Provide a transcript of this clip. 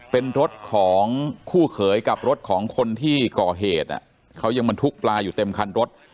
เป็นรถของคู่เขยกับรถของคนที่ก่อเหตุเขายังบรรทุกปลาอยู่เต็มคันรถ